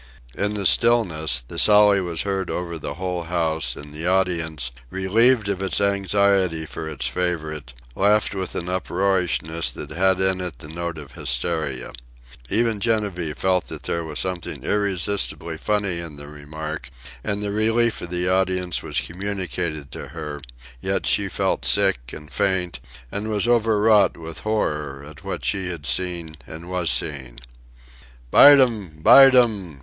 In the stillness the sally was heard over the whole house, and the audience, relieved of its anxiety for its favorite, laughed with an uproariousness that had in it the note of hysteria. Even Genevieve felt that there was something irresistibly funny in the remark, and the relief of the audience was communicated to her; yet she felt sick and faint, and was overwrought with horror at what she had seen and was seeing. "Bite 'm! Bite 'm!"